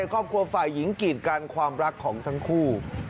ครอบครัวฝ่ายหญิงกีดกันความรักของทั้งคู่